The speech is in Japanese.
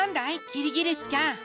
キリギリスちゃん。